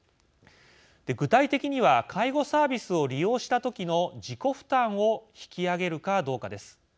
具体的には介護サービスを利用した時の自己負担を引き上げるかどうかです。